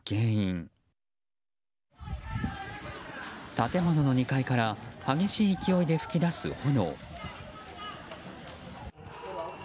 建物の２階から激しい勢いで噴き出す炎。